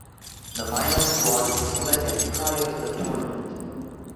The final squad was selected prior to the tournament.